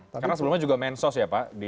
karena sebelumnya juga mensos ya pak